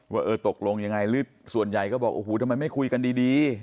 ว่าเออตกลงยังไงหรือส่วนใหญ่ก็บอกโอ้โหทำไมไม่คุยกันดี